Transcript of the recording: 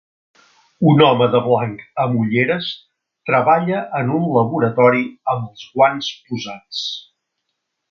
Un home de blanc amb olleres treballa en un laboratori amb els guants posats